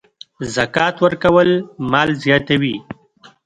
زکات ورکول مال زیاتوي.